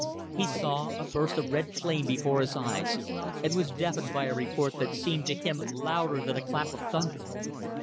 He saw a burst of red flame before his eyes, and was deafened by a report that seemed to him louder than a clap of thunder.